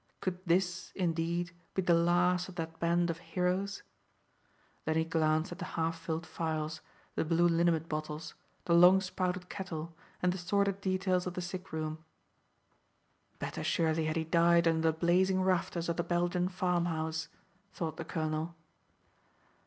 Could this, indeed, be the last of that band of heroes? Then he glanced at the half filled phials, the blue liniment bottles, the long spouted kettle, and the sordid details of the sick room. "Better, surely, had he died under the blazing rafters of the Belgian farmhouse," thought the colonel.